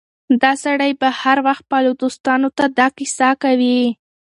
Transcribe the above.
دا سړی به هر وخت خپلو دوستانو ته دا کيسه کوي.